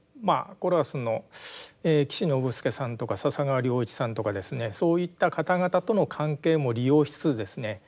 これはその岸信介さんとか笹川良一さんとかですねそういった方々との関係も利用しつつですね